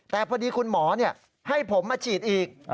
แต่พอดีคุณหมอให้ผมมาฉีดอีก